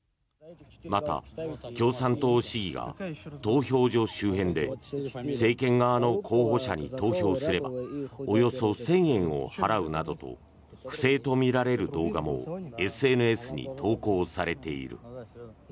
また、共産党市議が投票所周辺で政権側の候補者に投票すればおよそ１０００円を払うなどと不正とみられる動画もＳＮＳに投稿されている。